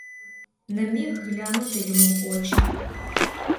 Не міг глянути йому в очі.